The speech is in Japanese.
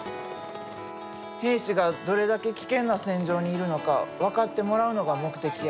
兵士がどれだけ危険な戦場にいるのか分かってもらうのが目的や。